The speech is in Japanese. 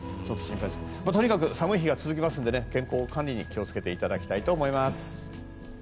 とにかく寒い日が続きますので健康管理に気を付けていただきたいと思います。